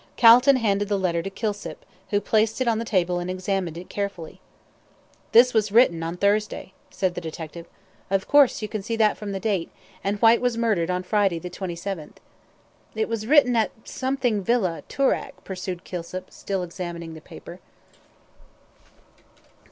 Calton handed the letter to Kilsip, who placed it on the table and examined it carefully. "This was written on Thursday," said the detective. "Of course you can see that from the date; and Whyte was murdered on Friday, the 27th." "It was written at something Villa, Toorak," pursued Kilsip, still examining the paper.